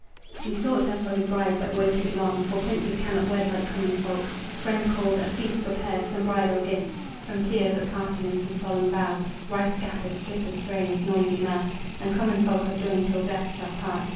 He sought her for his bride, but waited long, For princes cannot wed like common folk Friends called, a feast prepared, some bridal gifts, Some tears at parting and some solemn vows, Rice scattered, slippers thrown with noisy mirth, And common folk are joined till death shall part.